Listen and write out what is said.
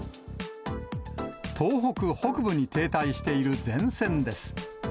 東北北部に停滞している前線です。